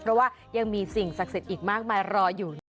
เพราะว่ายังมีสิ่งศักดิ์เสร็จอีกมากมารออยู่